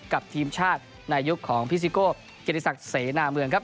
กับทีมชาติในยุคของพิซิโกะเกณฑศักดิ์เสน่ห์หน้าเมืองครับ